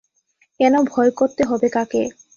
কেন, ভয় করতে হবে কাকে।